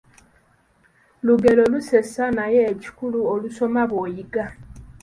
Lugero lusesa naye ekikulu olusoma bw’oyiga.